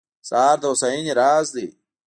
سهار د هوساینې راز دی.